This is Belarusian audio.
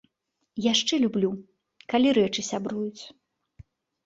Яшчэ люблю, калі рэчы сябруюць.